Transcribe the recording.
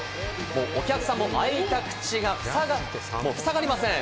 お客さんも開いた口がふさがりません。